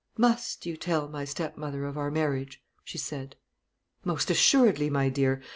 "Must you tell my stepmother of our marriage?" she said. "Most assuredly, my dear.